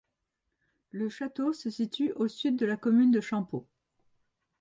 Le château se situe au sud de la commune de Champeaux.